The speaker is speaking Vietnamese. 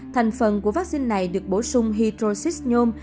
thành phần của vắc xin này được bổ sung hydroxys nhôm